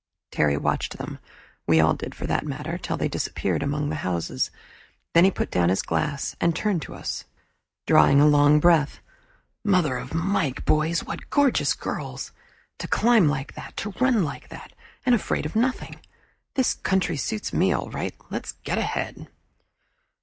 Terry watched them, we all did for that matter, till they disappeared among the houses. Then he put down his glass and turned to us, drawing a long breath. "Mother of Mike, boys what Gorgeous Girls! To climb like that! to run like that! and afraid of nothing. This country suits me all right. Let's get ahead."